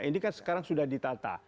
ini kan sekarang sudah ditata